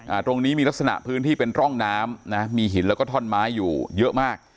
ตรงนี้มีลักษณะพื้นที่เป็นร่องน้ำนะมีหินแล้วก็ท่อนไม้อยู่เยอะมาก